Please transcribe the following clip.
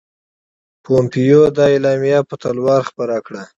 پومپیو دا اعلامیه په تلوار خپره کړه.